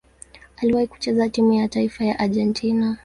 Aliwahi kucheza timu ya taifa ya Argentina.